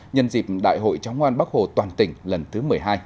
nhân dịp đại hội chóng ngoan bắc hồ toàn tỉnh lần thứ một mươi hai